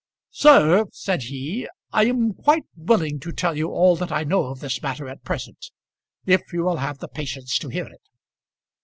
"Sir," said he, "I am quite willing to tell you all that I know of this matter at present, if you will have the patience to hear it."